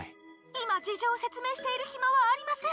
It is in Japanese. ☎今事情を説明している暇はありません。